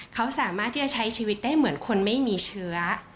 เขาสามารถที่จะใช้ชีวิตได้เหมือนคนไม่มีเชื้อ